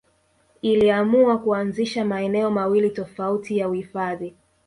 Iliamua kuanzisha maeneo mawili tofauti ya uhifadhi